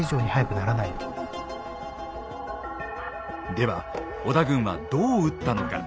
では織田軍はどう撃ったのか。